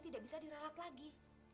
tidak bisa diralat lagi